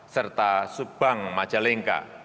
serta subbank majalengka